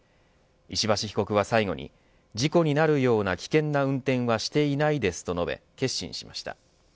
石橋被告は最後に、事故になるような危険な運転はしていないですと述べ結審しました。